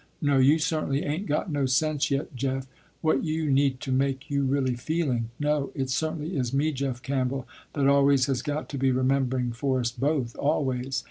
No you certainly ain't got no sense yet Jeff, what you need to make you really feeling. No, it certainly is me Jeff Campbell, that always has got to be remembering for us both, always.